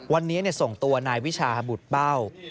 วันนี้เนี่ยส่งตัวนายวิชาบุร์ตเบ้า